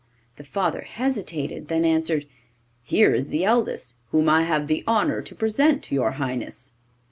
The father hesitated, then answered: 'Here is the eldest, whom I have the honour to present to your Highness.